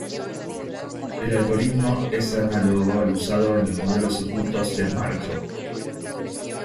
El algoritmo es análogo al usado en los modelos ocultos de Márkov.